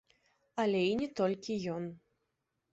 Але і не толькі ён.